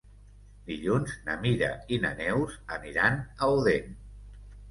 Dilluns na Mira i na Neus aniran a Odèn.